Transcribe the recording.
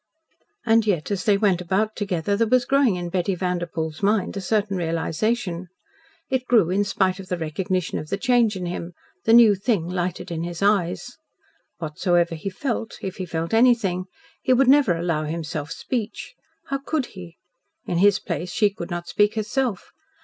And yet as they went about together there was growing in Betty Vanderpoel's mind a certain realisation. It grew in spite of the recognition of the change in him the new thing lighted in his eyes. Whatsoever he felt if he felt anything he would never allow himself speech. How could he? In his place she could not speak herself.